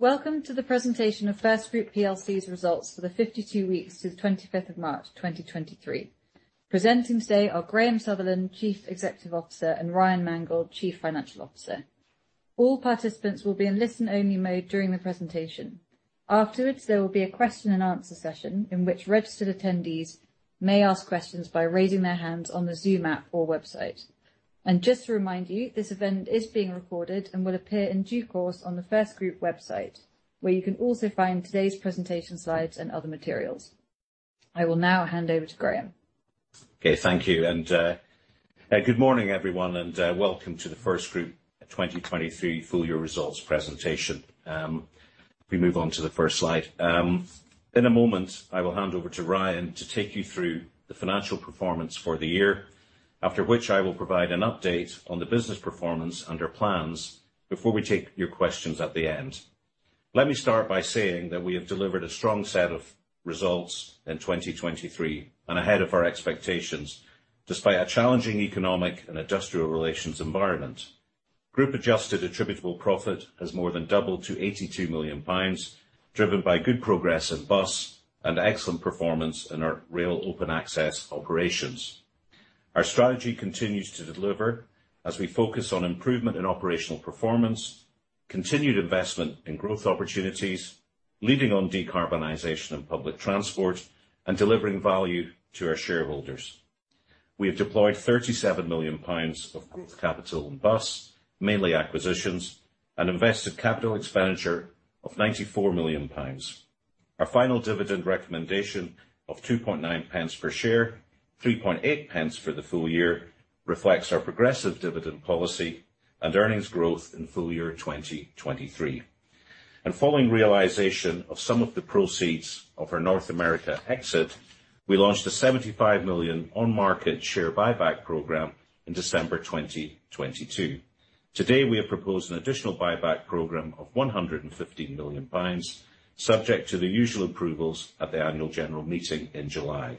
Welcome to the presentation of FirstGroup plc's results for the 52 weeks to the 25th of March- 2023. Presenting today are Graham Sutherland, Chief Executive Officer, and Ryan Mangold, Chief Financial Officer. All participants will be in listen-only mode during the presentation. Afterwards, there will be a question-and-answer session, in which registered attendees may ask questions by raising their hands on the Zoom app or website. Just to remind you, this event is being recorded and will appear in due course on the FirstGroup website, where you can also find today's presentation slides and other materials. I will now hand over to Graham. Okay, thank you, good morning, everyone, welcome to the FirstGroup 2023 full year results presentation. If we move on to the first slide. In a moment, I will hand over to Ryan to take you through the financial performance for the year, after which I will provide an update on the business performance and our plans before we take your questions at the end. Let me start by saying that we have delivered a strong set of results in 2023 and ahead of our expectations, despite a challenging economic and industrial relations environment. Group adjusted attributable profit has more than doubled to GBP 82 million, driven by good progress in Bus and excellent performance in our Rail Open Access operations. Our strategy continues to deliver as we focus on improvement in operational performance, continued investment in growth opportunities, leading on decarbonization and public transport, and delivering value to our shareholders. We have deployed 37 million pounds of growth capital in Bus, mainly acquisitions, and invested capital expenditure of 94 million pounds. Our final dividend recommendation of 0.029 per share, 0.038 for the full year, reflects our progressive dividend policy and earnings growth in full year 2023. Following realization of some of the proceeds of our North America exit, we launched a 75 million on-market share buyback program in December 2022. Today, we have proposed an additional buyback program of 115 million pounds, subject to the usual approvals at the annual general meeting in July.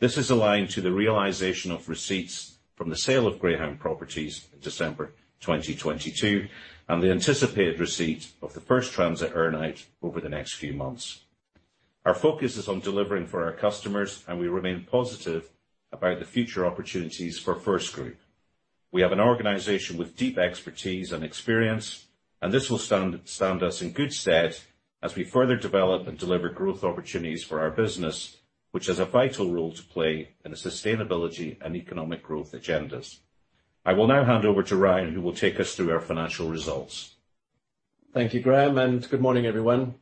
This is aligned to the realization of receipts from the sale of Greyhound properties in December 2022, and the anticipated receipt of the First Transit earn-out over the next few months. Our focus is on delivering for our customers, and we remain positive about the future opportunities for FirstGroup. We have an organization with deep expertise and experience, and this will stand us in good stead as we further develop and deliver growth opportunities for our business, which has a vital role to play in the sustainability and economic growth agendas. I will now hand over to Ryan, who will take us through our financial results. Thank you, Graham. Good morning, everyone.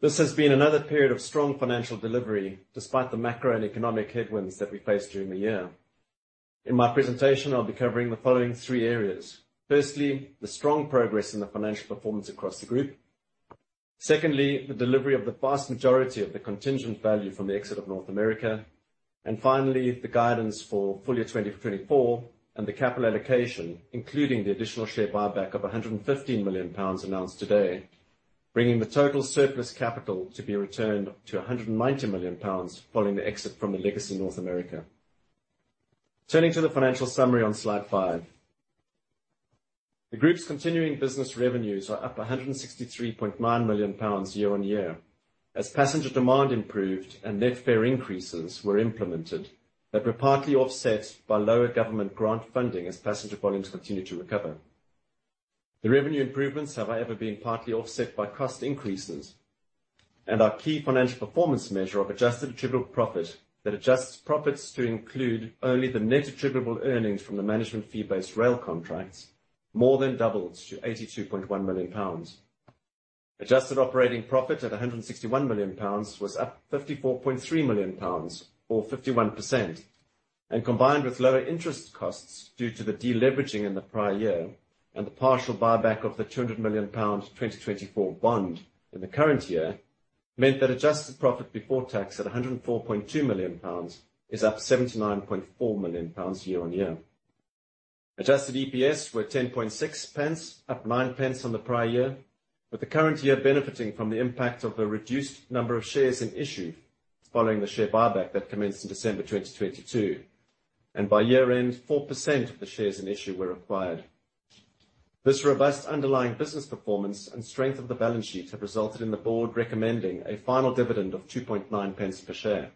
This has been another period of strong financial delivery, despite the macro and economic headwinds that we faced during the year. In my presentation, I'll be covering the following 3 areas. Firstly, the strong progress in the financial performance across the group. Secondly, the delivery of the vast majority of the contingent value from the exit of North America. Finally, the guidance for full year 2024 and the capital allocation, including the additional share buyback of 115 million pounds announced today, bringing the total surplus capital to be returned to 190 million pounds following the exit from the legacy North America. Turning to the financial summary on slide 5, the group's continuing business revenues are up 163.9 million pounds year-over-year, as passenger demand improved and net fare increases were implemented, that were partly offset by lower government grant funding as passenger volumes continued to recover. The revenue improvements have, however, been partly offset by cost increases, and our key financial performance measure of adjusted attributable profit that adjusts profits to include only the net attributable earnings from the management fee-based rail contracts, more than doubled to 82.1 million pounds. Adjusted operating profit at 161 million pounds was up 54.3 million pounds, or 51%, and combined with lower interest costs due to the deleveraging in the prior year and the partial buyback of the 200 million pounds 2024 bond in the current year, meant that adjusted profit before tax at 104.2 million pounds is up 79.4 million pounds year-on-year. Adjusted EPS were 10.6 pence, up 9 pence on the prior year, with the current year benefiting from the impact of the reduced number of shares in issue following the share buyback that commenced in December 2022, and by year-end, 4% of the shares in issue were acquired. This robust underlying business performance and strength of the balance sheet have resulted in the board recommending a final dividend of 2.9 pence per share,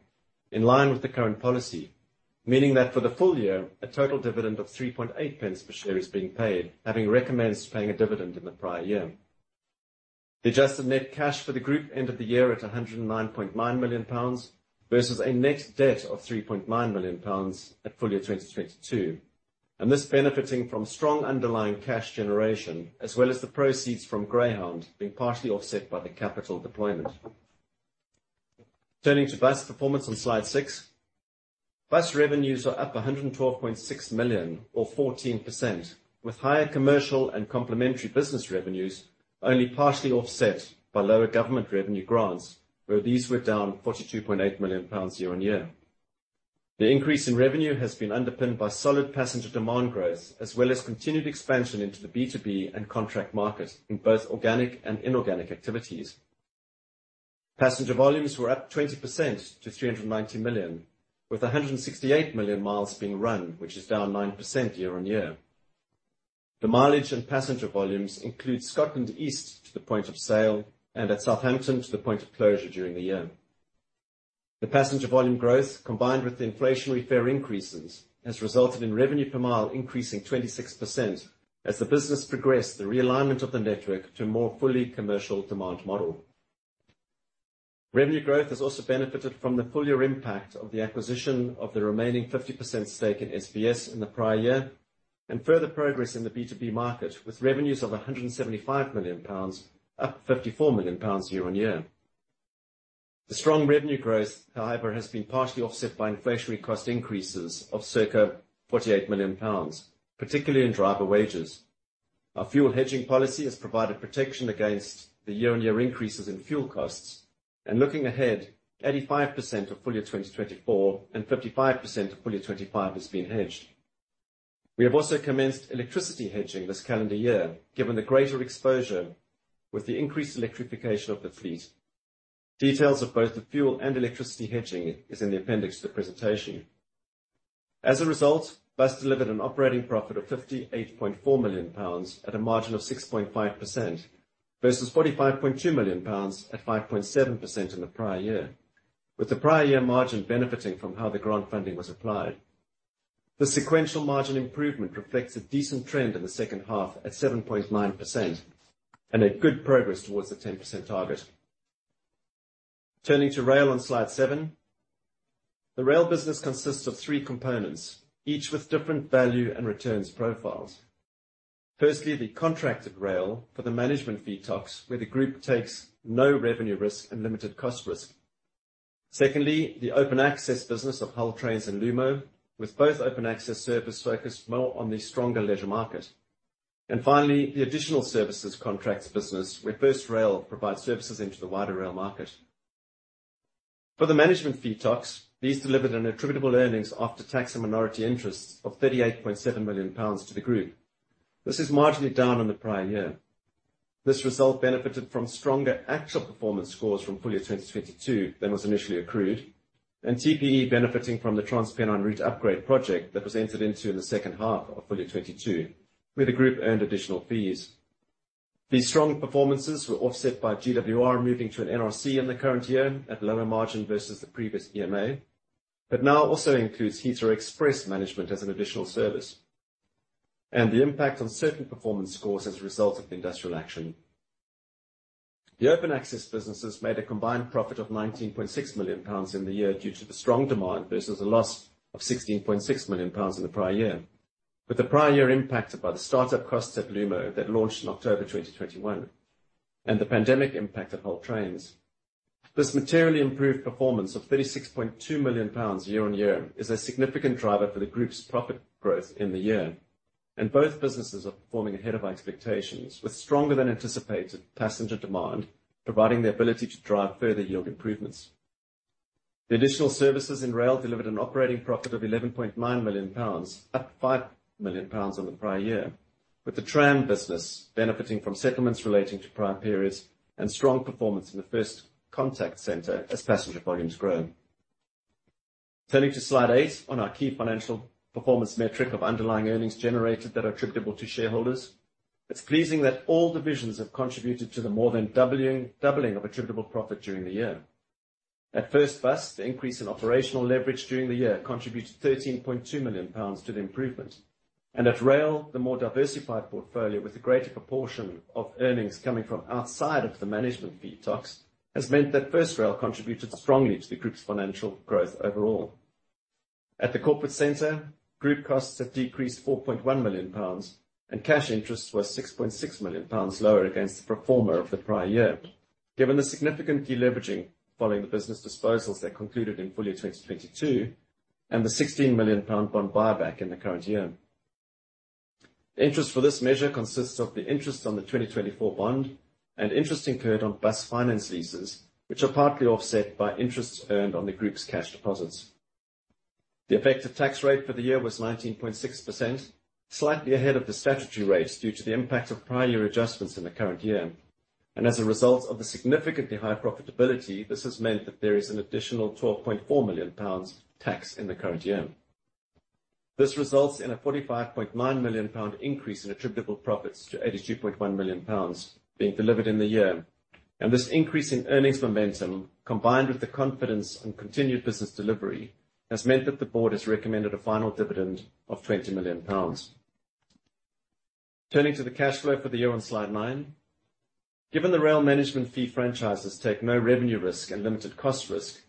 in line with the current policy, meaning that for the full year, a total dividend of 3.8 pence per share is being paid, having recommenced paying a dividend in the prior year. The adjusted net cash for the group ended the year at 109.9 million pounds, versus a net debt of 3.9 million pounds at full year 2022, and this benefiting from strong underlying cash generation as well as the proceeds from Greyhound being partially offset by the capital deployment. Turning to Bus performance on slide 6. Bus revenues are up 112.6 million, or 14%, with higher commercial and complementary business revenues only partially offset by lower government revenue grants, where these were down 42.8 million pounds year-on-year. The increase in revenue has been underpinned by solid passenger demand growth, as well as continued expansion into the B2B and contract market in both organic and inorganic activities. Passenger volumes were up 20% to 390 million, with 168 million miles being run, which is down 9% year-on-year. The mileage and passenger volumes include First Scotland East to the point of sale and at Southampton to the point of closure during the year. The passenger volume growth, combined with the inflationary fare increases, has resulted in revenue per mile increasing 26% as the business progressed the realignment of the network to a more fully commercial demand model. Revenue growth has also benefited from the full year impact of the acquisition of the remaining 50% stake in SPS in the prior year, and further progress in the B2B market, with revenues of 175 million pounds, up 54 million pounds year-on-year. The strong revenue growth, however, has been partially offset by inflationary cost increases of circa 48 million pounds, particularly in driver wages. Looking ahead, 85% of full year 2024 and 55% of full year 2025 has been hedged. We have also commenced electricity hedging this calendar year, given the greater exposure with the increased electrification of the fleet. Details of both the fuel and electricity hedging is in the appendix to the presentation. Bus delivered an operating profit of 58.4 million pounds at a margin of 6.5%, versus 45.2 million pounds at 5.7% in the prior year, with the prior year margin benefiting from how the grant funding was applied. The sequential margin improvement reflects a decent trend in the second half at 7.9% and good progress towards the 10% target. Turning to Rail on slide 7. The rail business consists of 3 components, each with different value and returns profiles. Firstly, the contracted rail for the management fee TOCs, where the group takes no revenue risk and limited cost risk. Secondly, the open access business of Hull Trains and Lumo, with both open access service focused more on the stronger leisure market. Finally, the additional services contracts business, where First Rail provides services into the wider rail market. For the management fee TOCs, these delivered an attributable earnings after tax and minority interests of 38.7 million pounds to the group. This is marginally down on the prior year. This result benefited from stronger actual performance scores from full year 2022 than was initially accrued, and TPE benefiting from the Transpennine Route Upgrade project that was entered into in the second half of full year 2022, where the group earned additional fees. These strong performances were offset by GWR moving to an NRC in the current year at lower margin versus the previous EMA, but now also includes Heathrow Express management as an additional service, and the impact on certain performance scores as a result of industrial action. The open access businesses made a combined profit of 19.6 million pounds in the year due to the strong demand versus a loss of 16.6 million pounds in the prior year, with the prior year impacted by the start-up costs at Lumo that launched in October 2021, and the pandemic impact at Hull Trains. This materially improved performance of 36.2 million pounds year-over-year is a significant driver for the group's profit growth in the year, and both businesses are performing ahead of our expectations, with stronger than anticipated passenger demand, providing the ability to drive further yield improvements. The additional services in Rail delivered an operating profit of 11.9 million pounds, up 5 million pounds on the prior year, with the tram business benefiting from settlements relating to prior periods and strong performance in the First Contact Center as passenger volumes grow. Turning to Slide 8 on our key financial performance metric of underlying earnings generated that are attributable to shareholders. It's pleasing that all divisions have contributed to the more than doubling of attributable profit during the year. At First Bus, the increase in operational leverage during the year contributed 13.2 million pounds to the improvement, and at Rail, the more diversified portfolio, with a greater proportion of earnings coming from outside of the management fee TOCs, has meant that First Rail contributed strongly to FirstGroup's financial growth overall. At the corporate center, FirstGroup costs have decreased GBP 4.1 million, and cash interests were GBP 6.6 million lower against the pro forma of the prior year. Given the significant deleveraging following the business disposals that concluded in full year 2022, and the 16 million pound bond buyback in the current year. The interest for this measure consists of the interest on the 2024 bond and interest incurred on bus finance leases, which are partly offset by interests earned on FirstGroup's cash deposits. The effective tax rate for the year was 19.6%, slightly ahead of the statutory rate due to the impact of prior year adjustments in the current year. As a result of the significantly higher profitability, this has meant that there is an additional 12.4 million pounds tax in the current year. This results in a 45.9 million pound increase in attributable profits to 82.1 million pounds being delivered in the year. This increase in earnings momentum, combined with the confidence and continued business delivery, has meant that the board has recommended a final dividend of 20 million pounds. Turning to the cash flow for the year on slide 9. Given the rail management fee, franchises take no revenue risk and limited cost risk,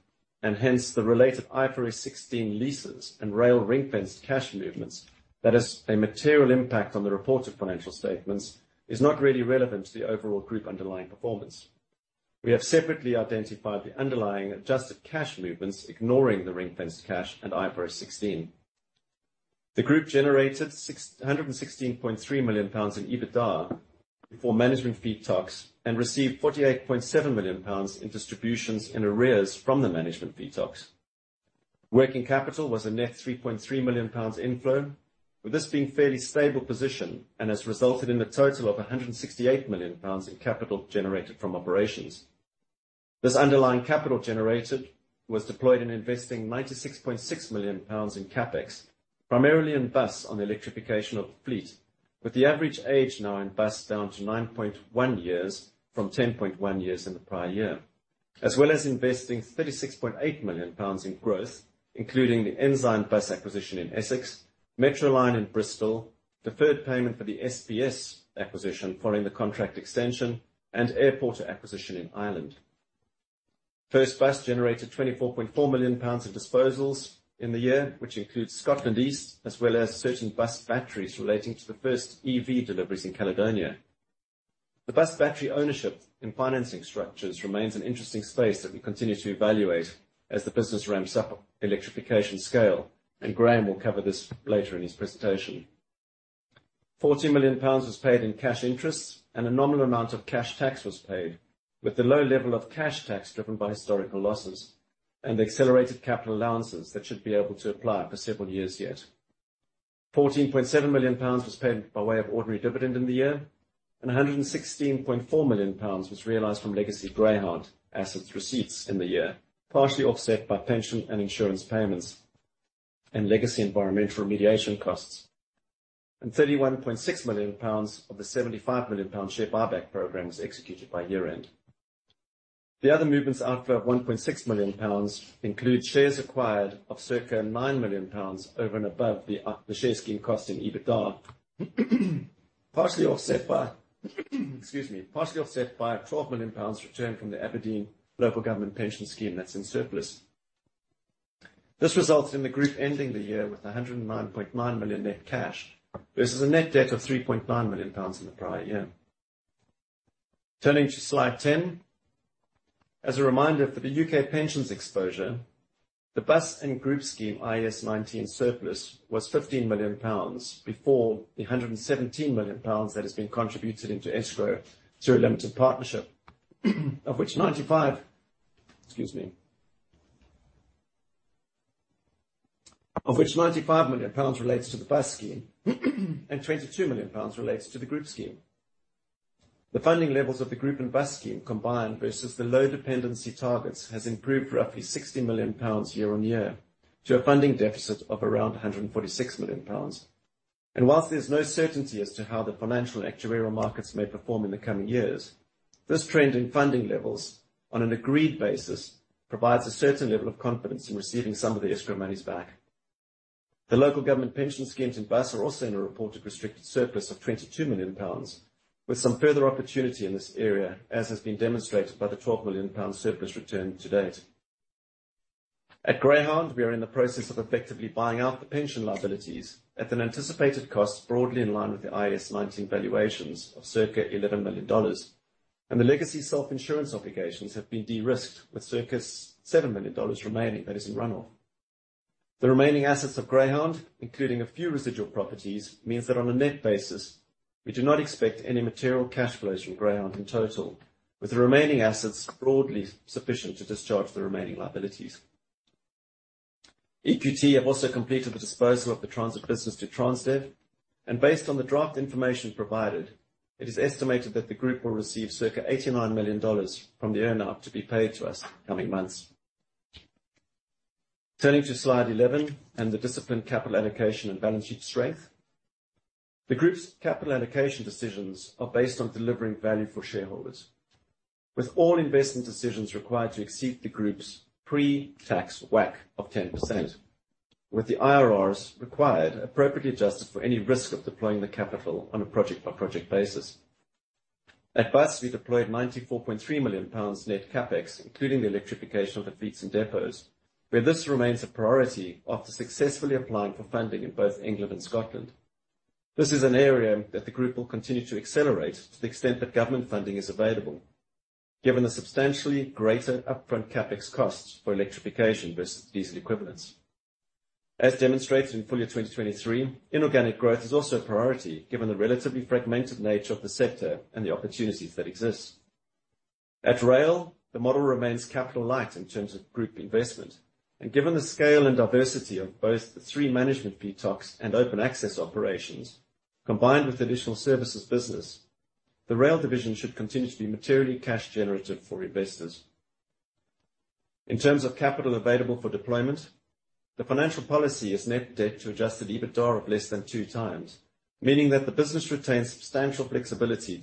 hence the related IFRS 16 leases and rail ring-fenced cash movements, that is a material impact on the reported financial statements, is not really relevant to the overall group underlying performance. We have separately identified the underlying adjusted cash movements, ignoring the ring-fenced cash and IFRS 16. The group generated 116.3 million pounds in EBITDA for management fee talks and received 48.7 million pounds in distributions and arrears from the management fee talks. Working capital was a net 3.3 million pounds inflow, with this being fairly stable position and has resulted in a total of 168 million pounds in capital generated from operations. This underlying capital generated was deployed in investing 96.6 million pounds in CapEx, primarily in bus, on the electrification of the fleet, with the average age now in bus down to 9.1 years from 10.1 years in the prior year, as well as investing 36.8 million pounds in growth, including the Ensignbus acquisition in Essex, Metrobus in Bristol, deferred payment for the SPS acquisition following the contract extension and Airporter acquisition in Ireland. First Bus generated 24.4 million pounds of disposals in the year, which includes First Scotland East, as well as certain bus batteries relating to the first EV deliveries in Caledonia. The bus battery ownership and financing structures remains an interesting space that we continue to evaluate as the business ramps up electrification scale, and Graham will cover this later in his presentation. 40 million pounds was paid in cash interest and a nominal amount of cash tax was paid, with the low level of cash tax driven by historical losses and the accelerated capital allowances that should be able to apply for several years yet. 14.7 million pounds was paid by way of ordinary dividend in the year, and 116.4 million pounds was realized from legacy Greyhound asset receipts in the year, partially offset by pension and insurance payments and legacy environmental remediation costs. 31.6 million pounds of the 75 million pound share buyback program was executed by year-end. The other movements outflow of 1.6 million pounds include shares acquired of circa 9 million pounds over and above the share scheme cost in EBITDA, partially offset by, excuse me, partially offset by a 12 million pounds return from the Aberdeen Local Government Pension Scheme that's in surplus. This resulted in the group ending the year with 109.9 million net cash versus a net debt of 3.9 million pounds in the prior year. Turning to slide 10. As a reminder for the UK pensions exposure, the bus and group scheme, IAS 19 surplus, was 15 million pounds before the 117 million pounds that has been contributed into escrow through a limited partnership, of which 95, excuse me. Of which 95 million pounds relates to the bus scheme and 22 million pounds relates to the group scheme. The funding levels of the group and bus scheme combined versus the low dependency targets, has improved roughly 60 million pounds year on year, to a funding deficit of around 146 million pounds. Whilst there's no certainty as to how the financial actuarial markets may perform in the coming years, this trend in funding levels, on an agreed basis, provides a certain level of confidence in receiving some of the escrow monies back. The local government pension schemes and bus are also in a reported restricted surplus of 22 million pounds, with some further opportunity in this area, as has been demonstrated by the 12 million pounds surplus returned to date. At Greyhound, we are in the process of effectively buying out the pension liabilities at an anticipated cost, broadly in line with the IAS 19 valuations of circa $11 million. The legacy self-insurance obligations have been de-risked, with circa $7 million remaining, that is, in run-off. The remaining assets of Greyhound, including a few residual properties, means that on a net basis, we do not expect any material cash flows from Greyhound in total, with the remaining assets broadly sufficient to discharge the remaining liabilities. EQT have also completed the disposal of the transit business to Transdev, and based on the draft information provided, it is estimated that the group will receive circa $89 million from the earn-out to be paid to us in the coming months. Turning to slide 11 and the disciplined capital allocation and balance sheet strength. The group's capital allocation decisions are based on delivering value for shareholders, with all investment decisions required to exceed the group's pre-tax WACC of 10%, with the IRRs required appropriately adjusted for any risk of deploying the capital on a project-by-project basis. At Bus, we deployed 94.3 million pounds net CapEx, including the electrification of the fleets and depots, where this remains a priority after successfully applying for funding in both England and Scotland. This is an area that the group will continue to accelerate to the extent that government funding is available, given the substantially greater upfront CapEx costs for electrification versus diesel equivalents. As demonstrated in full year 2023, inorganic growth is also a priority, given the relatively fragmented nature of the sector and the opportunities that exist. At Rail, the model remains capital light in terms of group investment and given the scale and diversity of both the three management PTOCs and open access operations, combined with additional services business, the rail division should continue to be materially cash generative for investors. In terms of capital available for deployment, the financial policy is net debt to adjusted EBITDA of less than two times, meaning that the business retains substantial flexibility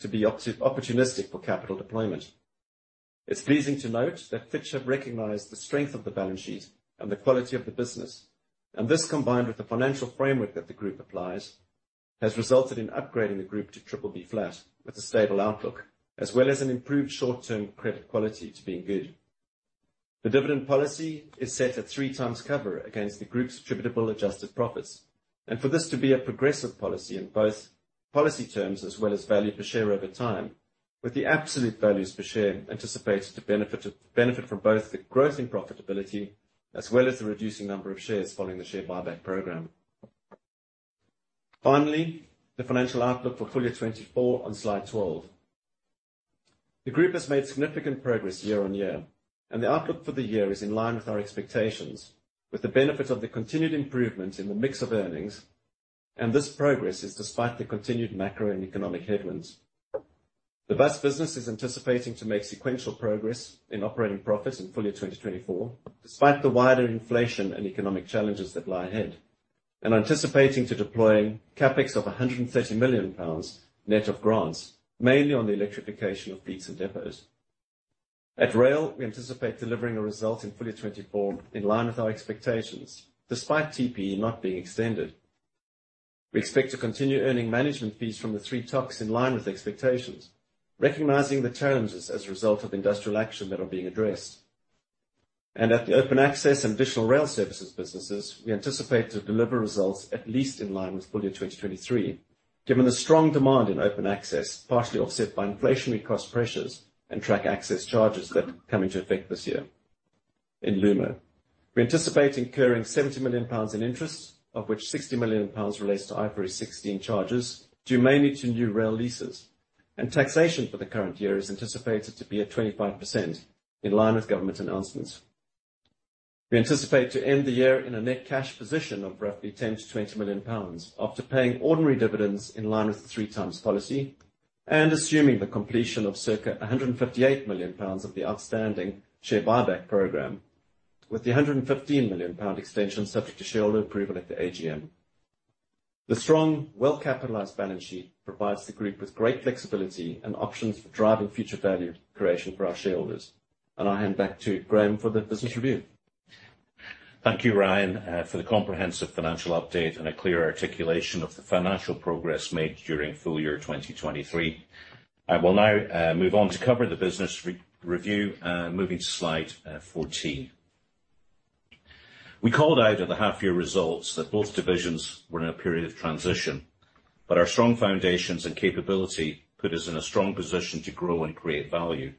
to be opportunistic for capital deployment. It's pleasing to note that Fitch have recognized the strength of the balance sheet and the quality of the business, and this, combined with the financial framework that the group applies, has resulted in upgrading the group to BBB- with a stable outlook, as well as an improved short-term credit quality to being good. The dividend policy is set at 3 times cover against the group's attributable adjusted profits. For this to be a progressive policy in both policy terms as well as value per share over time, with the absolute values per share anticipated to benefit from both the growth in profitability as well as the reducing number of shares following the share buyback program. Finally, the financial outlook for full year 2024 on slide 12. The group has made significant progress year-on-year. The outlook for the year is in line with our expectations, with the benefit of the continued improvement in the mix of earnings. This progress is despite the continued macro and economic headwinds. The bus business is anticipating to make sequential progress in operating profits in full year 2024, despite the wider inflation and economic challenges that lie ahead and anticipating to deploying CapEx of 130 million pounds net of grants, mainly on the electrification of peaks and depots. At Rail, we anticipate delivering a result in full year 2024 in line with our expectations, despite TPE not being extended. We expect to continue earning management fees from the 3 TOCs in line with expectations, recognizing the challenges as a result of industrial action that are being addressed. At the Open Access and additional rail services businesses, we anticipate to deliver results at least in line with full year 2023, given the strong demand in Open Access, partially offset by inflationary cost pressures and track access charges that come into effect this year. In Lumo, we anticipate incurring 70 million pounds in interest, of which 60 million pounds relates to IFRS 16 charges, due mainly to new rail leases. Taxation for the current year is anticipated to be at 25%, in line with government announcements. We anticipate to end the year in a net cash position of roughly 10 million-20 million pounds, after paying ordinary dividends in line with the 3 times policy, and assuming the completion of circa 158 million pounds of the outstanding share buyback program, with the 115 million pound extension subject to shareholder approval at the AGM. The strong, well-capitalized balance sheet provides the group with great flexibility and options for driving future value creation for our shareholders. I'll hand back to Graham for the business review. Thank you, Ryan, for the comprehensive financial update and a clear articulation of the financial progress made during full year 2023. I will now move on to cover the business re-review, moving to slide 14. We called out at the half year results that both divisions were in a period of transition, but our strong foundations and capability put us in a strong position to grow and create value.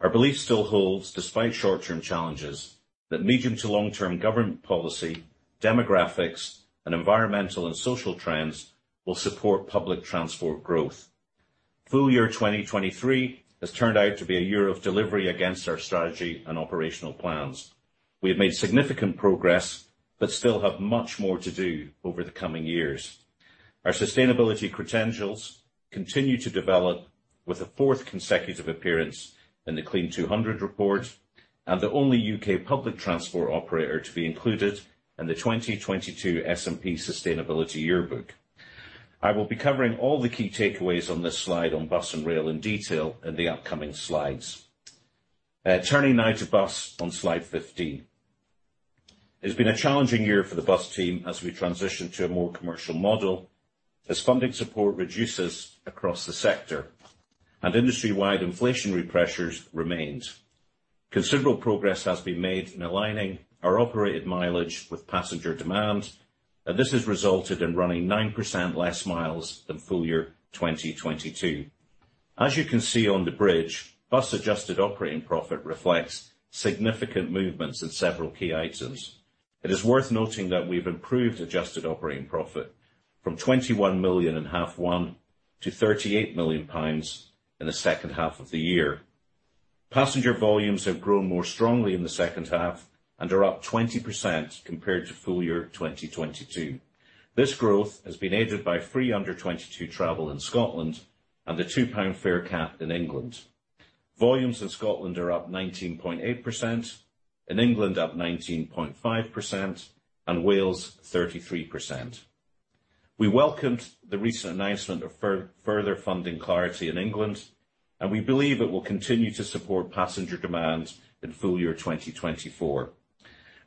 Our belief still holds, despite short-term challenges, that medium to long-term government policy, demographics, and environmental and social trends will support public transport growth. Full year 2023 has turned out to be a year of delivery against our strategy and operational plans. We have made significant progress, but still have much more to do over the coming years. Our sustainability credentials continue to develop with a fourth consecutive appearance in the Clean200 report. The only U.K. public transport operator to be included in the 2022 S&P Global Sustainability Yearbook. I will be covering all the key takeaways on this slide on Bus and Rail in detail in the upcoming slides. Turning now to Bus on slide 15. It's been a challenging year for the Bus team as we transition to a more commercial model, as funding support reduces across the sector, and industry-wide inflationary pressures remains. Considerable progress has been made in aligning our operated mileage with passenger demand, and this has resulted in running 9% less miles than full year 2022. As you can see on the bridge, Bus adjusted operating profit reflects significant movements in several key items. It is worth noting that we've improved adjusted operating profit from 21 million in half one, to 38 million pounds in the second half of the year. Passenger volumes have grown more strongly in the second half and are up 20% compared to full year 2022. This growth has been aided by free under 22 travel in Scotland and the GBP 2 fare cap in England. Volumes in Scotland are up 19.8%, in England up 19.5%, and Wales, 33%. We welcomed the recent announcement of further funding clarity in England, and we believe it will continue to support passenger demand in full year 2024.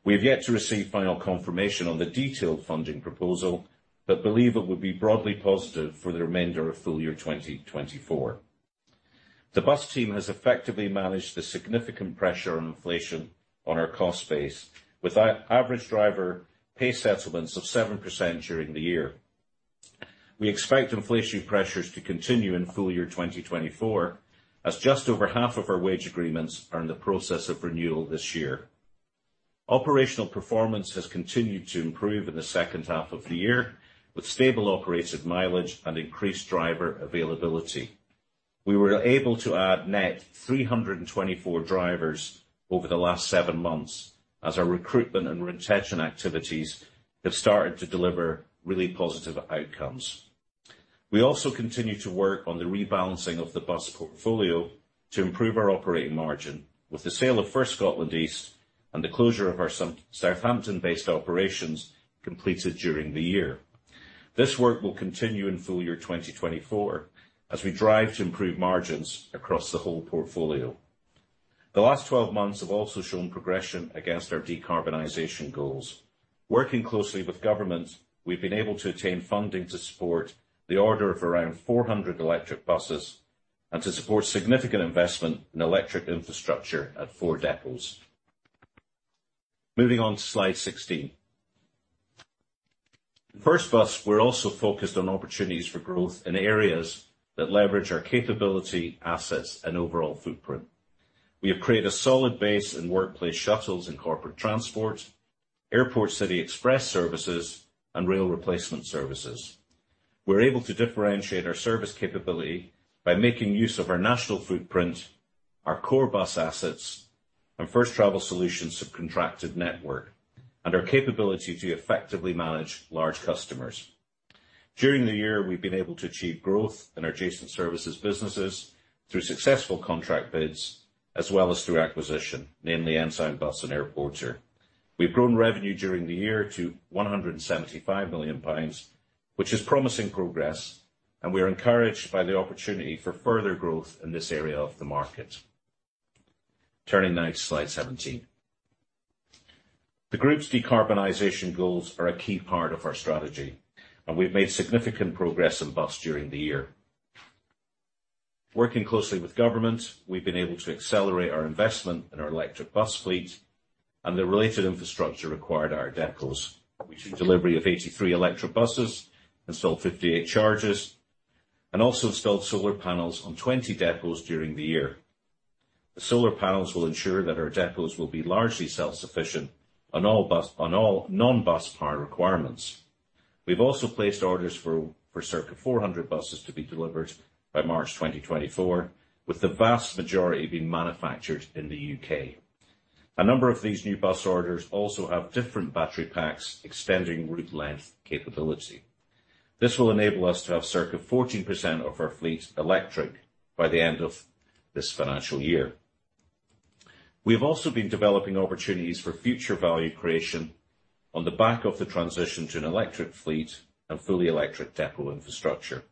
We have yet to receive final confirmation on the detailed funding proposal, but believe it will be broadly positive for the remainder of full year 2024. The bus team has effectively managed the significant pressure on inflation on our cost base, with an average driver, pays settlements of 7% during the year. We expect inflationary pressures to continue in full year 2024, as just over half of our wage agreements are in the process of renewal this year. Operational performance has continued to improve in the second half of the year, with stable operated mileage and increased driver availability. We were able to add net 324 drivers over the last 7 months, as our recruitment and retention activities have started to deliver really positive outcomes. We also continue to work on the rebalancing of the bus portfolio to improve our operating margin, with the sale of First Scotland East and the closure of our Southampton-based operations completed during the year. This work will continue in full year 2024, as we drive to improve margins across the whole portfolio. Working closely with government, we've been able to obtain funding to support the order of around 400 electric buses and to support significant investment in electric infrastructure at four depots. Moving on to slide 16. First Bus, we're also focused on opportunities for growth in areas that leverage our capability, assets, and overall footprint. We have created a solid base in workplace shuttles and corporate transport, airport city express services, and rail replacement services. We're able to differentiate our service capability by making use of our national footprint, our core bus assets, and First Travel Solutions subcontracted network, and our capability to effectively manage large customers. During the year, we've been able to achieve growth in adjacent services businesses through successful contract bids, as well as through acquisition, namely Ensign bus and Airporter. We've grown revenue during the year to 175 million pounds, which is promising progress, and we are encouraged by the opportunity for further growth in this area of the market. Turning now to slide 17. The group's decarbonization goals are a key part of our strategy, and we've made significant progress in bus during the year. Working closely with government, we've been able to accelerate our investment in our electric bus fleet and the related infrastructure required at our depots. We took delivery of 83 electric buses, installed 58 chargers, and also installed solar panels on 20 depots during the year. The solar panels will ensure that our depots will be largely self-sufficient on all non-bus power requirements. We've also placed orders for circa 400 buses to be delivered by March 2024, with the vast majority being manufactured in the U.K. A number of these new bus orders also have different battery packs, extending route length capability. This will enable us to have circa 14% of our fleet electric by the end of this financial year. We have also been developing opportunities for future value creation on the back of the transition to an electric fleet and fully electric depot infrastructure.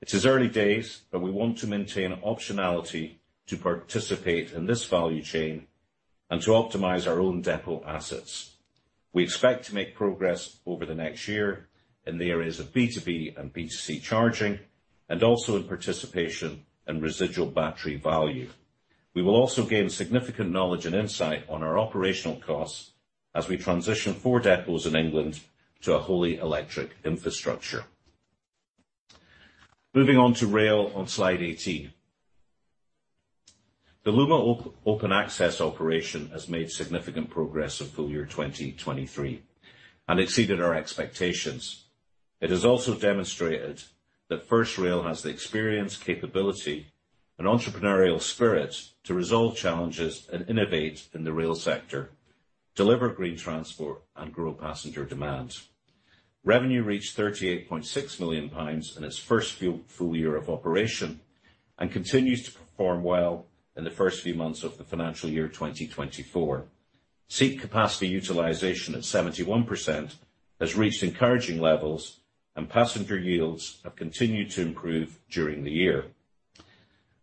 It is early days, but we want to maintain optionality to participate in this value chain and to optimize our own depot assets. We expect to make progress over the next year in the areas of B2B and B2C charging, and also in participation in residual battery value. We will also gain significant knowledge and insight on our operational costs as we transition four depots in England to a wholly electric infrastructure. Moving on to rail on slide 18. The Lumo Open Access operation has made significant progress in full year 2023, and exceeded our expectations. It has also demonstrated that First Rail has the experience, capability, and entrepreneurial spirit to resolve challenges and innovate in the rail sector, deliver green transport, and grow passenger demand. Revenue reached 38.6 million pounds in its first few full year of operation, and continues to perform well in the first few months of the financial year 2024. Seat capacity utilization at 71% has reached encouraging levels, and passenger yields have continued to improve during the year.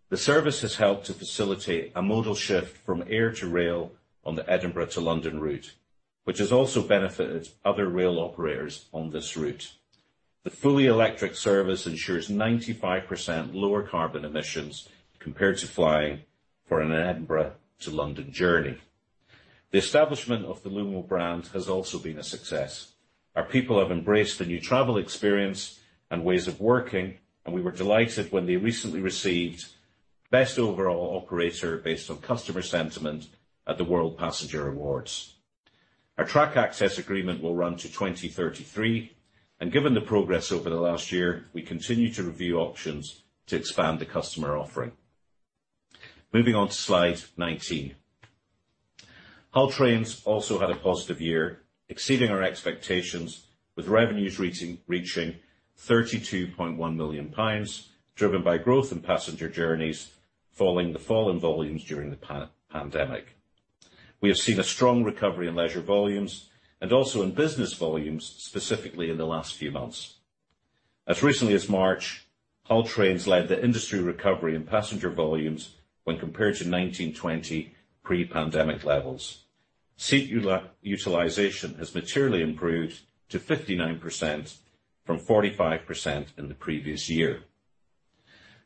The service has helped to facilitate a modal shift from air to rail on the Edinburgh to London route, which has also benefited other rail operators on this route. The fully electric service ensures 95% lower carbon emissions compared to flying for an Edinburgh to London journey. The establishment of the Lumo brand has also been a success. Our people have embraced the new travel experience and ways of working, and we were delighted when they recently received Best Overall Operator based on customer sentiment at the World Passenger Awards. Our track access agreement will run to 2033, and given the progress over the last year, we continue to review options to expand the customer offering. Moving on to slide 19. Hull Trains also had a positive year, exceeding our expectations, with revenues reaching GBP 32.1 million, driven by growth in passenger journeys, following the fall in volumes during the pandemic. We have seen a strong recovery in leisure volumes and also in business volumes, specifically in the last few months. As recently as March, Hull Trains led the industry recovery in passenger volumes when compared to 2019-2020 pre-pandemic levels. Seat utilization has materially improved to 59% from 45% in the previous year.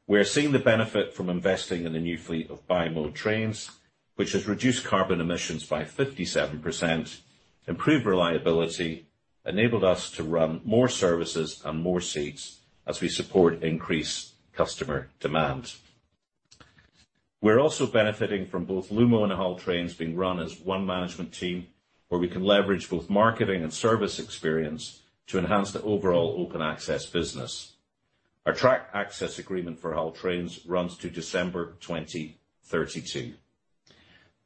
We are seeing the benefit from investing in a new fleet of bi-mode trains, which has reduced carbon emissions by 57%, improved reliability, enabled us to run more services and more seats as we support increased customer demand. We're also benefiting from both Lumo and Hull Trains being run as one management team, where we can leverage both marketing and service experience to enhance the overall open access business. Our track access agreement for Hull Trains runs to December 2032.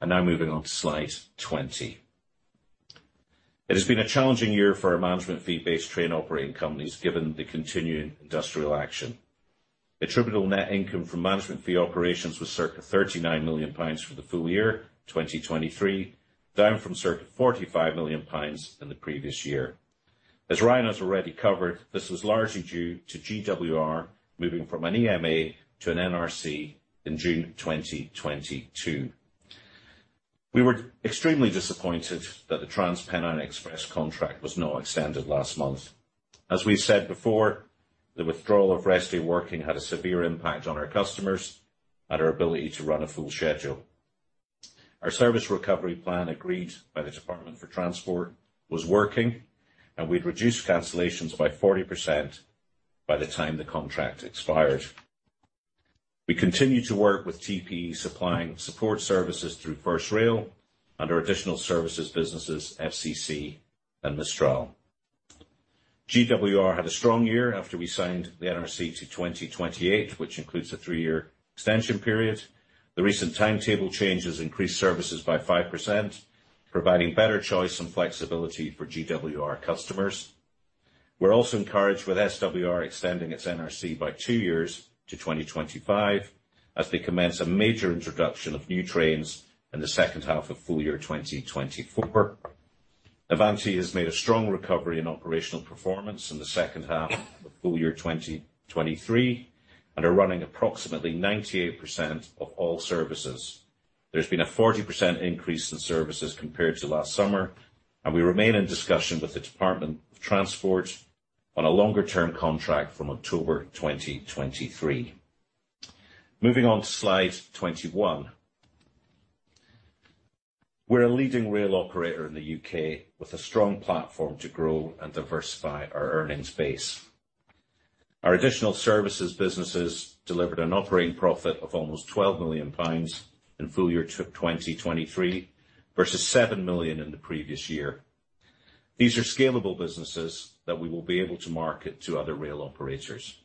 Now moving on to slide 20. It has been a challenging year for our management fee-based train operating companies, given the continuing industrial action. Attributable net income from management fee operations was circa 39 million pounds for the full year 2023, down from circa 45 million pounds in the previous year. As Ryan has already covered, this was largely due to GWR moving from an EMA to an NRC in June 2022. We were extremely disappointed that the TransPennine Express contract was not extended last month. As we said before, the withdrawal of rest day working had a severe impact on our customers and our ability to run a full schedule. Our service recovery plan, agreed by the Department for Transport, was working, and we'd reduced cancellations by 40% by the time the contract expires. We continue to work with TPE, supplying support services through First Rail and our additional services businesses, FCC and Mistral. GWR had a strong year after we signed the NRC to 2028, which includes a 3-year extension period. The recent timetable changes increased services by 5%, providing better choice and flexibility for GWR customers. We're also encouraged with SWR extending its NRC by 2 years to 2025, as they commence a major introduction of new trains in the H2 of full year 2024. Avanti has made a strong recovery in operational performance in the second half of full year 2023, are running approximately 98% of all services. There's been a 40% increase in services compared to last summer, we remain in discussion with the Department for Transport on a longer-term contract from October 2023. Moving on to slide 21. We're a leading rail operator in the U.K., with a strong platform to grow and diversify our earnings base. Our additional services businesses delivered an operating profit of almost 12 million pounds in full year 2023, versus 7 million in the previous year. These are scalable businesses that we will be able to market to other rail operators.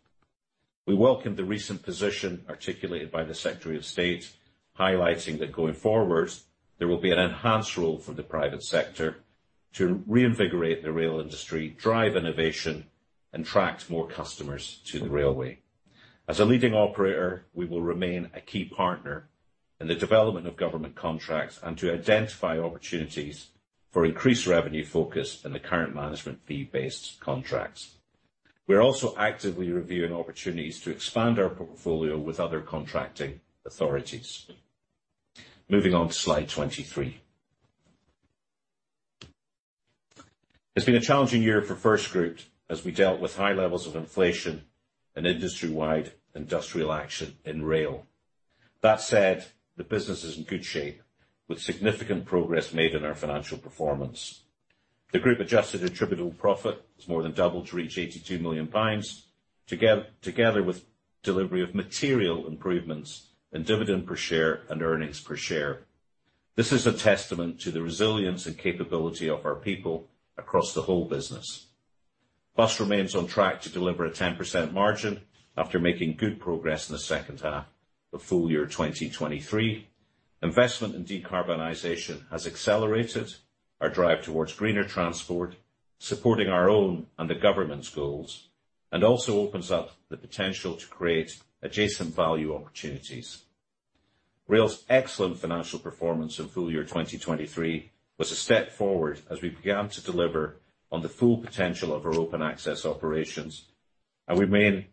We welcome the recent position articulated by the Secretary of State, highlighting that going forward, there will be an enhanced role for the private sector to reinvigorate the rail industry, drive innovation, and attract more customers to the railway. As a leading operator, we will remain a key partner in the development of government contracts and to identify opportunities for increased revenue focus in the current management fee-based contracts. We are also actively reviewing opportunities to expand our portfolio with other contracting authorities. Moving on to slide 23. It's been a challenging year for FirstGroup as we dealt with high levels of inflation and industry-wide industrial action in rail. That said, the business is in good shape, with significant progress made in our financial performance. The group-adjusted attributable profit has more than doubled to reach 82 million pounds, together with delivery of material improvements in dividend per share and earnings per share. This is a testament to the resilience and capability of our people across the whole business. Bus remains on track to deliver a 10% margin after making good progress in the H2 of full year 2023. Investment in decarbonization has accelerated our drive towards greener transport, supporting our own and the government's goals, and also opens up the potential to create adjacent value opportunities. Rail's excellent financial performance in full year 2023 was a step forward as we began to deliver on the full potential of our open access operations, and we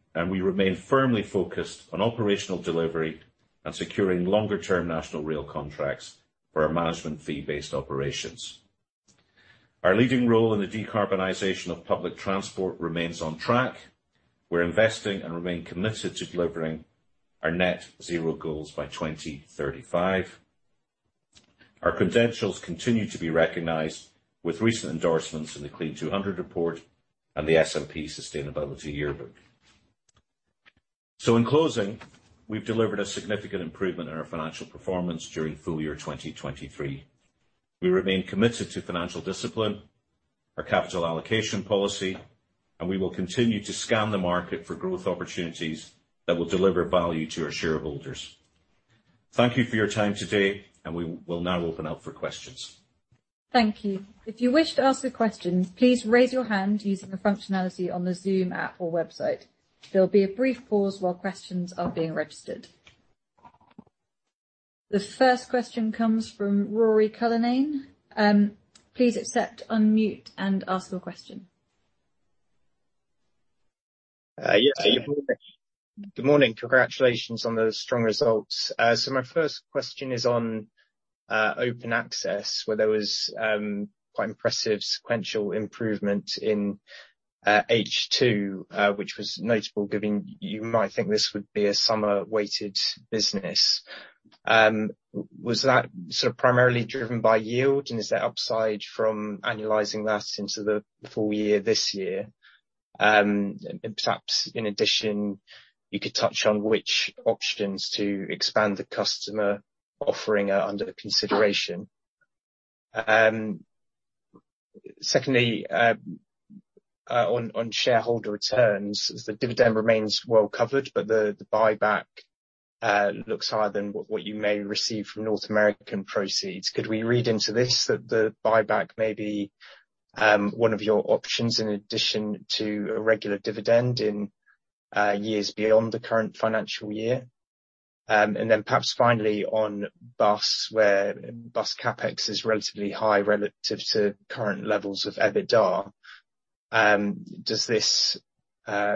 remain firmly focused on operational delivery and securing longer-term national rail contracts for our management fee-based operations. Our leading role in the decarbonization of public transport remains on track. We're investing and remain committed to delivering our net zero goals by 2035. Our credentials continue to be recognized with recent endorsements in the Clean200 report and the S&P Global Sustainability Yearbook. In closing, we've delivered a significant improvement in our financial performance during full year 2023. We remain committed to financial discipline, our capital allocation policy, and we will continue to scan the market for growth opportunities that will deliver value to our shareholders. Thank you for your time today, and we will now open up for questions. Thank you. If you wish to ask a question, please raise your hand using the functionality on the Zoom app or website. There will be a brief pause while questions are being registered. The first question comes from Ruairidh Cullinane. Please accept, unmute, and ask your question. Yeah, good morning. Congratulations on the strong results. My first question is on open access, where there was quite impressive sequential improvement in H2, which was notable, given you might think this would be a summer-weighted business. Was that sort of primarily driven by yield, and is there upside from annualizing that into the full year this year? Perhaps in addition, you could touch on which options to expand the customer offering are under consideration. Secondly, on shareholder returns, the dividend remains well covered, but the buyback looks higher than what you may receive from North American proceeds. Could we read into this, that the buyback may be one of your options in addition to a regular dividend in years beyond the current financial year? Perhaps finally on bus, where bus CapEx is relatively high relative to current levels of EBITDA, does this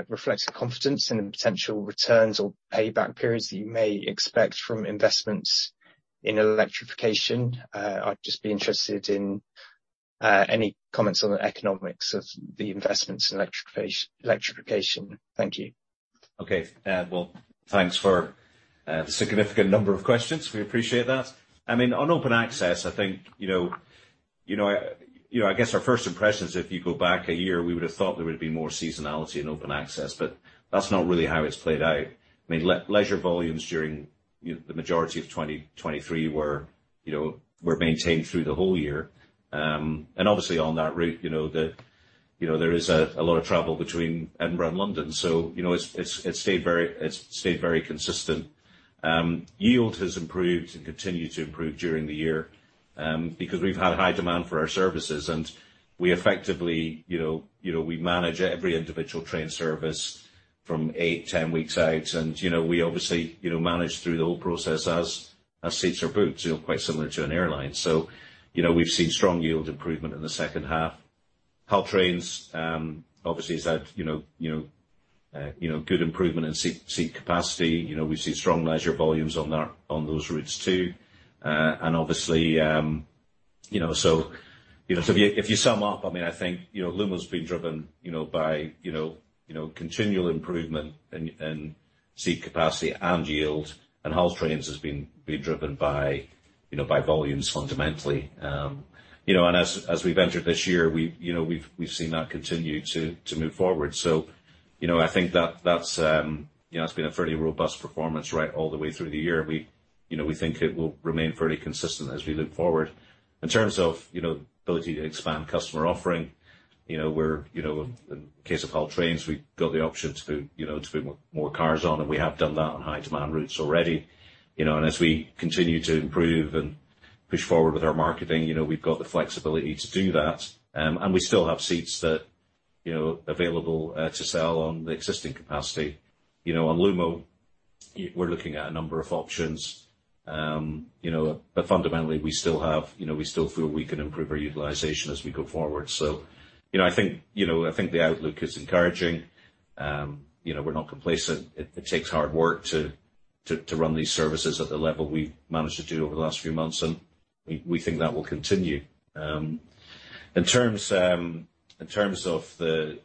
reflect confidence in the potential returns or payback periods that you may expect from investments in electrification? I'd just be interested in any comments on the economics of the investments in electrification. Thank you. Okay, well, thanks for the significant number of questions. We appreciate that. I mean, on open access, I think, you know, I guess our first impressions, if you go back a year, we would have thought there would be more seasonality in open access, but that's not really how it's played out. I mean, leisure volumes during the majority of 2023 were, you know, were maintained through the whole year. Obviously on that route, you know, there is a lot of travel between Edinburgh and London. You know, it's stayed very consistent. Yield has improved and continued to improve during the year because we've had high demand for our services, and we effectively, you know, we manage every individual train service from 8, 10 weeks out. You know, we obviously, you know, manage through the whole process as seats are booked, you know, quite similar to an airline. You know, we've seen strong yield improvement in the second half. Hull Trains obviously has had, you know, good improvement in seat capacity. You know, we've seen strong leisure volumes on that, on those routes, too. Obviously, you know, so if you sum up, I mean, I think, you know, Lumo's been driven, you know, by continual improvement in seat capacity and yield, and Hull Trains has been driven by, you know, by volumes fundamentally. As we've entered this year, we've, you know, we've seen that continue to move forward. I think that's, you know, it's been a fairly robust performance right all the way through the year. We, you know, think it will remain fairly consistent as we look forward. In terms of, you know, ability to expand customer offering, you know, we're, you know, in case of Hull Trains, we've got the option to put, you know, to put more cars on, and we have done that on high demand routes already. As we continue to improve and push forward with our marketing, you know, we've got the flexibility to do that, and we still have seats that, you know, available to sell on the existing capacity. You know, on Lumo, we're looking at a number of options. You know, but fundamentally, we still have, you know, we still feel we can improve our utilization as we go forward. I think, you know, I think the outlook is encouraging. You know, we're not complacent. It takes hard work to run these services at the level we've managed to do over the last few months, and we think that will continue. In terms of the.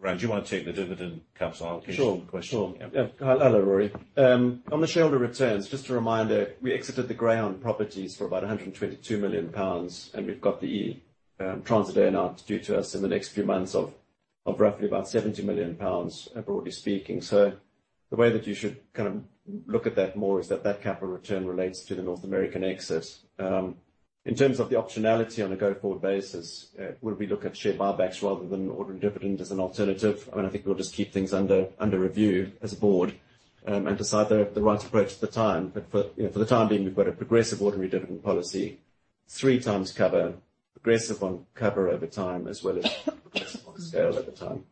Rand, do you want to take the dividend capsule? I'll give you the question. Sure, sure. Yeah. Hello, Ruairi. On the shareholder returns, just a reminder, we exited the Greyhound properties for about 122 million pounds, and we've got the Transit earn-out due to us in the next few months of roughly about 70 million pounds, broadly speaking. The way that you should kind of look at that more is that that capital return relates to the North American exit. In terms of the optionality on a go-forward basis, would we look at share buybacks rather than ordinary dividend as an alternative? I mean, I think we'll just keep things under review as a board, and decide the right approach at the time. For, you know, for the time being, we've got a progressive ordinary dividend policy, 3 times cover, progressive on cover over time, as well as progressive on scale at the time,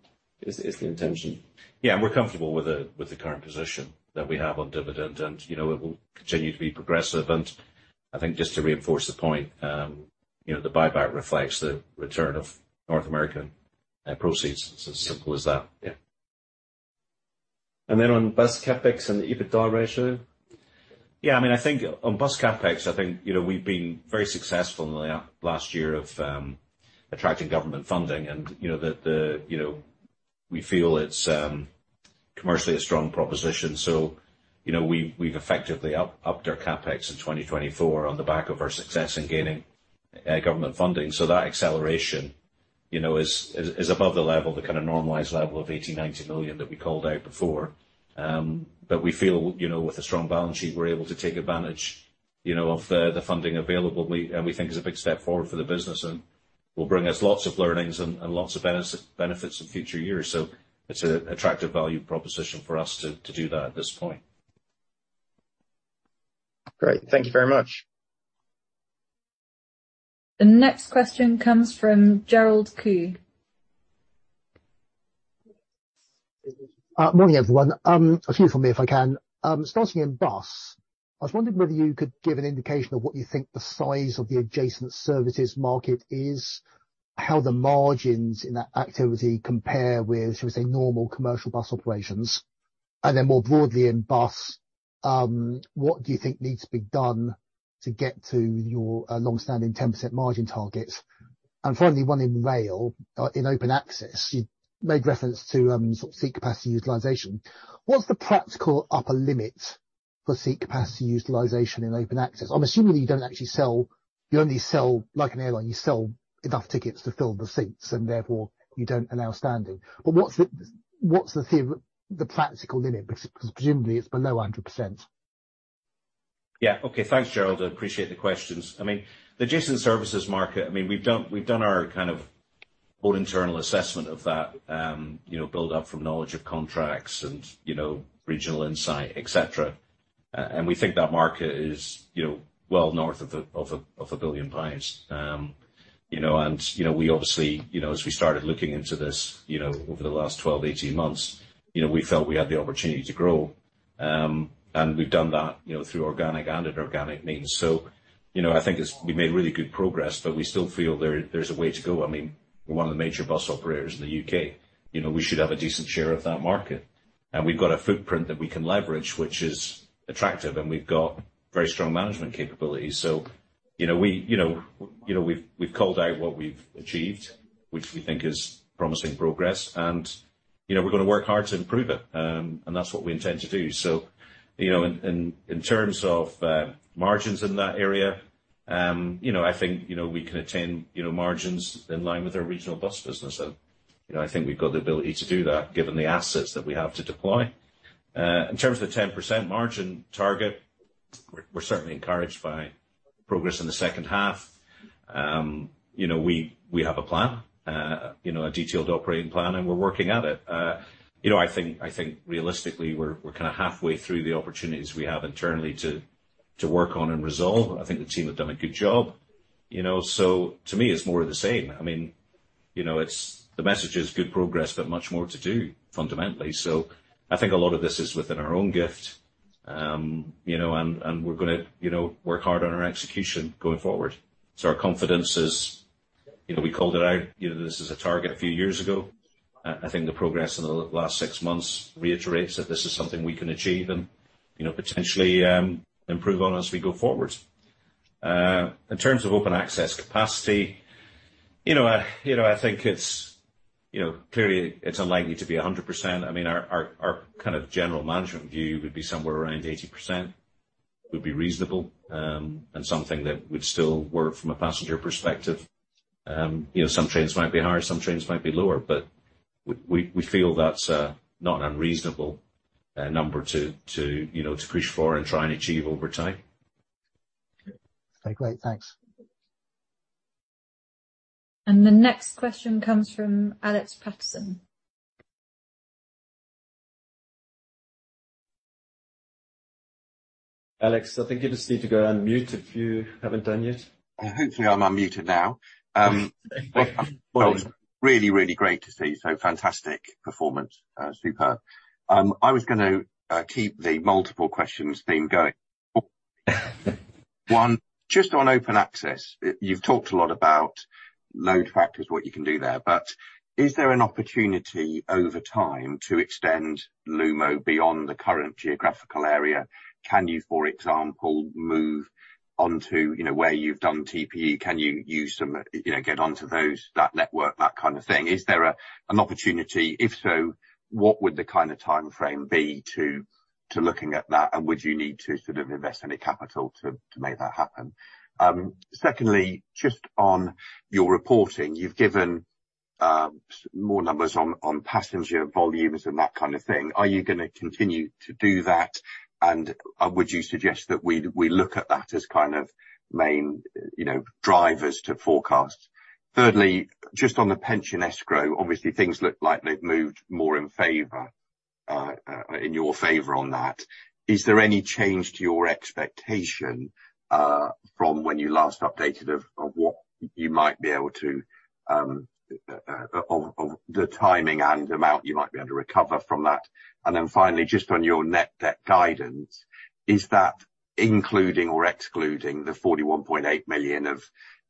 is the intention. Yeah, we're comfortable with the, with the current position that we have on dividend and, you know, it will continue to be progressive. I think just to reinforce the point, you know, the buyback reflects the return of North American proceeds. It's as simple as that. Yeah. On bus CapEx and the EBITDA ratio? I mean, I think on bus CapEx, I think, you know, we've been very successful in the last year of attracting government funding and, you know, we feel it's commercially a strong proposition. We've effectively upped our CapEx in 2024 on the back of our success in gaining government funding. That acceleration, you know, is above the level, the kind of normalized level of 80 million-90 million that we called out before. We feel, you know, with a strong balance sheet, we're able to take advantage, you know, of the funding available. We think it's a big step forward for the business and will bring us lots of learnings and lots of benefits in future years. It's an attractive value proposition for us to do that at this point. Great. Thank you very much. The next question comes from Gerald Khoo. Morning, everyone. A few from me, if I can. Starting in bus, I was wondering whether you could give an indication of what you think the size of the adjacent services market is, how the margins in that activity compare with, shall we say, normal commercial bus operations? More broadly in bus, what do you think needs to be done to get to your long-standing 10% margin targets? Finally, one in rail, in open access, you made reference to sort of seat capacity utilization. What's the practical upper limit for seat capacity utilization in open access? I'm assuming you don't actually sell. You only sell, like an airline, you sell enough tickets to fill the seats, and therefore, you don't allow standing. What's the practical limit? Because presumably, it's below 100%. Okay. Thanks, Gerald. I appreciate the questions. I mean, the adjacent services market, I mean, we've done our kind of own internal assessment of that, you know, build up from knowledge of contracts and, you know, regional insight, et cetera. We think that market is, you know, well north of a 1 billion pounds. You know, we obviously, you know, as we started looking into this, you know, over the last 12, 18 months, you know, we felt we had the opportunity to grow. We've done that, you know, through organic and inorganic means. You know, I think we've made really good progress, but we still feel there's a way to go. I mean, we're one of the major bus operators in the U.K. you know, we should have a decent share of that market. We've got a footprint that we can leverage, which is attractive, and we've got very strong management capabilities. You know, we've called out what we've achieved, which we think is promising progress. We're going to work hard to improve it. That's what we intend to do. You know, in terms of margins in that area, you know, I think, you know, we can attain, you know, margins in line with our regional bus business. You know, I think we've got the ability to do that, given the assets that we have to deploy. In terms of the 10% margin target, we're certainly encouraged by progress in the second half. You know, we have a plan, you know, a detailed operating plan, and we're working at it. You know, I think realistically, we're kind of halfway through the opportunities we have internally to work on and resolve. I think the team have done a good job, you know. To me, it's more of the same. I mean, you know, the message is good progress, but much more to do fundamentally. I think a lot of this is within our own gift. You know, and we're going to, you know, work hard on our execution going forward. Our confidence is, you know, we called it out, you know, this is a target a few years ago. I think the progress in the last 6 months reiterates that this is something we can achieve and, you know, potentially improve on as we go forward. In terms of open access capacity, you know, I think it's, you know. Clearly, it's unlikely to be 100%. I mean, our kind of general management view would be somewhere around 80%, would be reasonable and something that would still work from a passenger perspective. You know, some trains might be higher, some trains might be lower, but we feel that's not unreasonable number to, you know, to push for and try and achieve over time. Okay, great. Thanks. The next question comes from Alexander Paterson. Alex, I think you just need to go unmute if you haven't done yet. Hopefully I'm unmuted now. Really, really great to see. Fantastic performance, superb. I was gonna keep the multiple questions theme going. One, just on open access, you've talked a lot about load factors, what you can do there, but is there an opportunity over time to extend Lumo beyond the current geographical area? Can you, for example, move on to, you know, where you've done TPE? Can you use some, you know, get onto those, that network, that kind of thing? Is there an opportunity? If so, what would the kind of timeframe be to looking at that, and would you need to sort of invest any capital to make that happen? Secondly, just on your reporting, you've given more numbers on passenger volumes and that kind of thing. Are you gonna continue to do that, and would you suggest that we look at that as kind of main, you know, drivers to forecast? Thirdly, just on the pension escrow, obviously, things look like they've moved more in your favor on that. Is there any change to your expectation from when you last updated of what you might be able to recover from that? Finally, just on your net debt guidance, is that including or excluding the 41.8 million of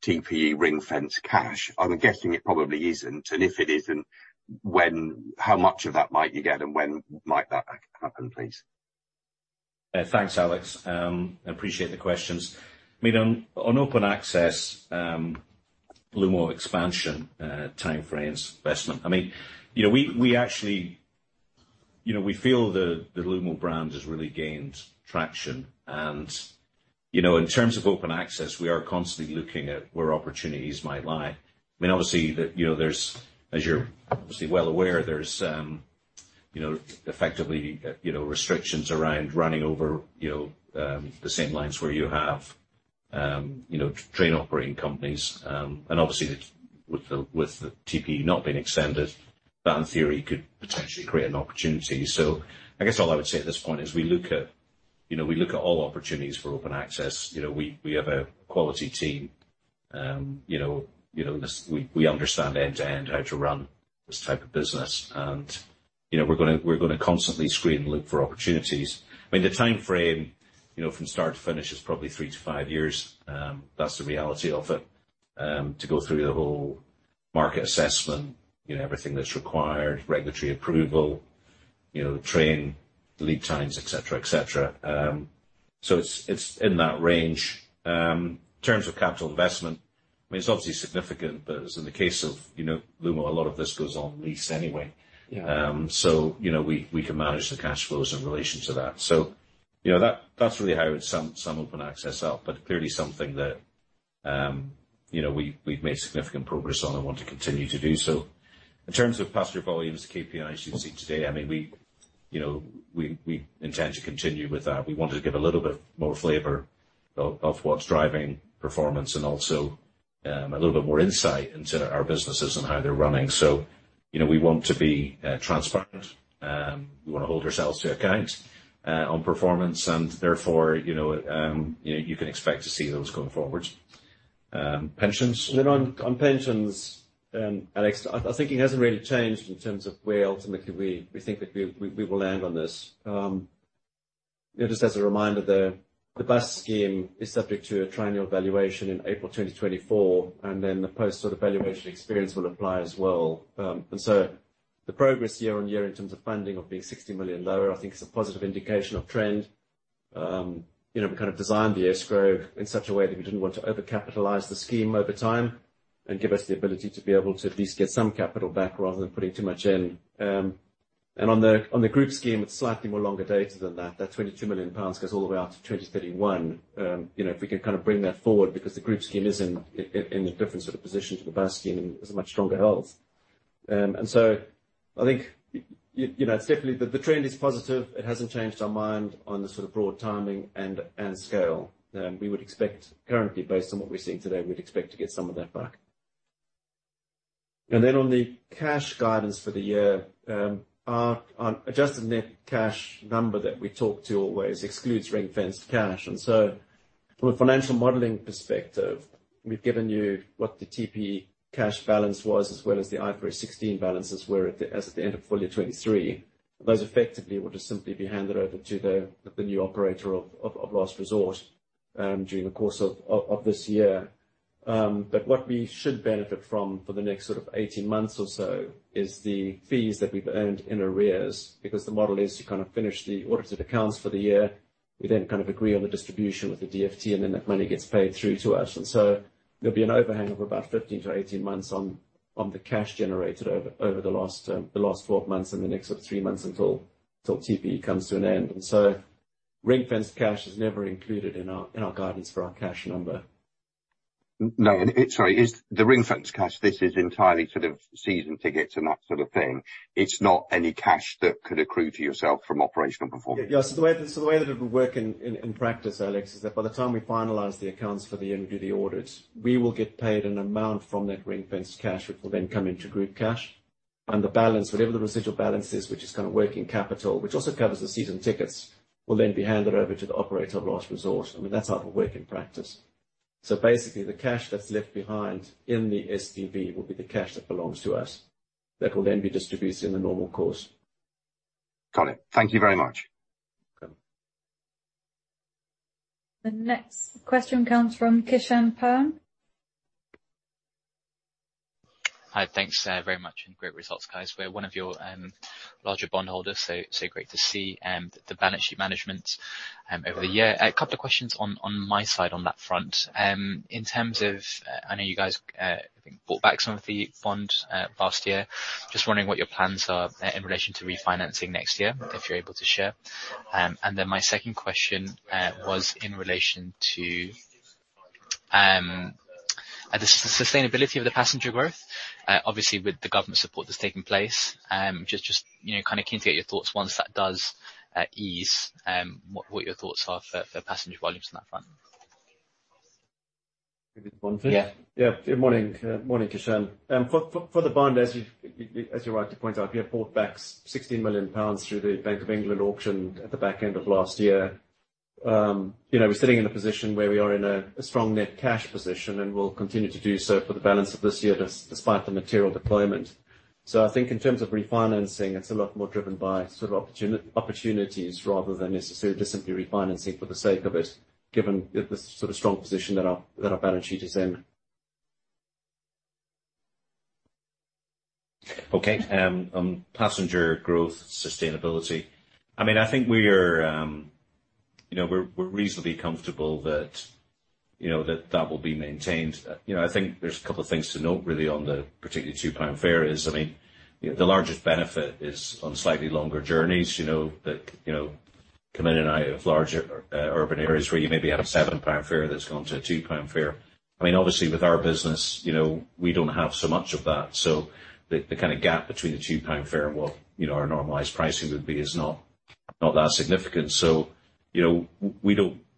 TPE ring-fenced cash? I'm guessing it probably isn't, and if it isn't, how much of that might you get, and when might that happen, please? Thanks, Alex. I appreciate the questions. I mean, on open access, Lumo expansion, timeframes, investment. I mean, you know, we actually, you know, we feel the Lumo brand has really gained traction. You know, in terms of open access, we are constantly looking at where opportunities might lie. I mean, obviously, that, you know, there's, as you're obviously well aware, there's, you know, effectively, you know, restrictions around running over, you know, the same lines where you have, you know, train operating companies. Obviously, with the TPE not being extended, that in theory could potentially create an opportunity. I guess all I would say at this point is we look at, you know, we look at all opportunities for open access. You know, we have a quality team. This, we understand end-to-end how to run this type of business. We're going to constantly screen and look for opportunities. I mean, the timeframe from start to finish is probably 3-5 years. That's the reality of it to go through the whole market assessment, everything that's required, regulatory approval, train, lead times, et cetera, et cetera. It's in that range. In terms of capital investment, I mean, it's obviously significant, but as in the case of Lumo, a lot of this goes on lease anyway. Yeah. You know, we can manage the cash flows in relation to that. You know, that's really how I would sum open access up, but clearly something that, you know, we've made significant progress on and want to continue to do so. In terms of passenger volumes, KPIs you've seen today, I mean, we, you know, we intend to continue with that. We wanted to give a little bit more flavor of what's driving performance and also, a little bit more insight into our businesses and how they're running. You know, we want to be transparent. We want to hold ourselves to account on performance, and therefore, you know, you can expect to see those going forward. Pensions? On pensions, Alex, I think it hasn't really changed in terms of where ultimately we think that we will land on this. Just as a reminder, the bus scheme is subject to a triennial valuation in April 2024, the post sort of valuation experience will apply as well. The progress year-over-year in terms of funding of being 60 million lower, I think is a positive indication of trend. You know, we kind of designed the escrow in such a way that we didn't want to overcapitalize the scheme over time, give us the ability to be able to at least get some capital back rather than putting too much in. On the group scheme, it's slightly more longer dated than that. That 22 million pounds goes all the way out to 2031. you know, if we can kind of bring that forward because the group scheme is in a different sort of position to the bus scheme, it's a much stronger health. I think, you know, it's definitely the trend is positive. It hasn't changed our mind on the sort of broad timing and scale. We would expect currently, based on what we're seeing today, we'd expect to get some of that back. On the cash guidance for the year, our on adjusted net cash number that we talk to always excludes ring-fenced cash. From a financial modeling perspective, we've given you what the TPE cash balance was, as well as the IFRS 16 balances were as at the end of fully 2023. Those effectively will just simply be handed over to the new operator of last resort during the course of this year. What we should benefit from for the next sort of 18 months or so, is the fees that we've earned in arrears, because the model is to kind of finish the audited accounts for the year. We then kind of agree on the distribution with the DfT, that money gets paid through to us. There'll be an overhang of about 15-18 months on the cash generated over the last 12 months and the next sort of 3 months until TPE comes to an end. Ring-fenced cash is never included in our guidance for our cash number. No, sorry, is the ring-fenced cash, this is entirely sort of season tickets and that sort of thing? It's not any cash that could accrue to yourself from operational performance. Yeah. The way that it would work in practice, Alex, is that by the time we finalize the accounts for the year and do the audits, we will get paid an amount from that ring-fenced cash, which will then come into group cash. The balance, whatever the residual balance is, which is kind of working capital, which also covers the season tickets, will then be handed over to the operator of last resort. I mean, that's how it will work in practice. Basically, the cash that's left behind in the SDV will be the cash that belongs to us, that will then be distributed in the normal course. Got it. Thank you very much. Okay. The next question comes from Kishan Parmar Hi. Thanks very much, and great results, guys. We're one of your larger bondholders, so great to see the balance sheet management over the year. A couple of questions on my side on that front. In terms of, I know you guys bought back some of the bonds last year. Just wondering what your plans are in relation to refinancing next year, if you're able to share? My second question was in relation to the sustainability of the passenger growth. Obviously, with the government support that's taking place, just, you know, kind of keen to get your thoughts once that does ease, what your thoughts are for passenger volumes on that front. Yeah. Yeah. Yeah. Good morning. Morning, Kishan. For the bond, as you're right to point out, we have bought back 16 million pounds through the Bank of England auction at the back end of last year. You know, we're sitting in a position where we are in a strong net cash position, and we'll continue to do so for the balance of this year, despite the material deployment. I think in terms of refinancing, it's a lot more driven by sort of opportunities rather than necessarily just simply refinancing for the sake of it, given the sort of strong position that our balance sheet is in. Okay, on passenger growth sustainability, I mean, I think we're, you know, we're reasonably comfortable that, you know, that that will be maintained. You know, I think there's a couple of things to note, really, on the particularly 2 pound fare is, I mean, the largest benefit is on slightly longer journeys, you know, that, you know, coming in and out of larger urban areas where you maybe had a 7 pound fare that's gone to a 2 pound fare. I mean, obviously, with our business, you know, we don't have so much of that, so the kind of gap between the 2 pound fare and what, you know, our normalized pricing would be is not that significant. You know, we don't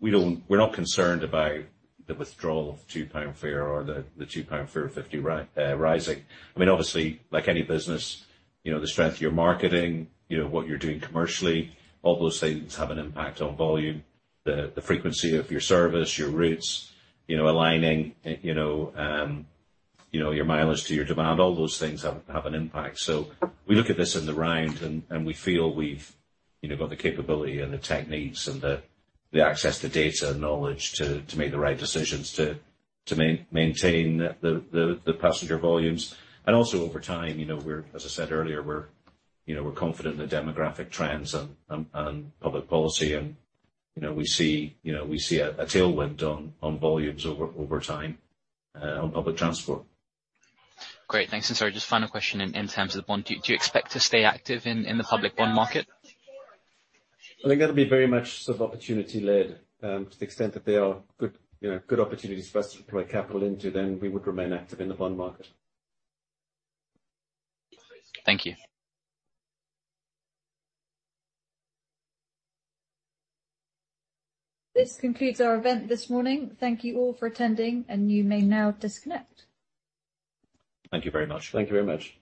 we're not concerned about the withdrawal of the 2 pound fare or the 2 pound fare 50 rising. I mean, obviously, like any business, you know, the strength of your marketing, you know, what you're doing commercially, all those things have an impact on volume. The frequency of your service, your routes, you know, aligning, you know, you know, your mileage to your demand, all those things have an impact. We look at this in the round, and we feel we've, you know, got the capability and the techniques and the access to data and knowledge to make the right decisions to maintain the passenger volumes. Also over time, you know, we're, as I said earlier, we're, you know, we're confident in the demographic trends and public policy and, you know, we see, you know, we see a tailwind on volumes over time on public transport. Great, thanks. Sorry, just final question in terms of the bond. Do you expect to stay active in the public bond market? I think that'll be very much sort of opportunity led. To the extent that there are good, you know, good opportunities for us to deploy capital into, then we would remain active in the bond market. Thank you. This concludes our event this morning. Thank you all for attending. You may now disconnect. Thank you very much. Thank you very much.